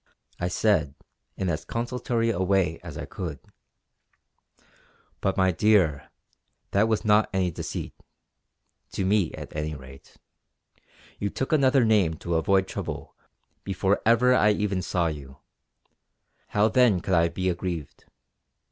I said in as consolatory a way as I could: "But my dear, that was not any deceit to me at any rate. You took another name to avoid trouble before ever I even saw you; how then could I be aggrieved.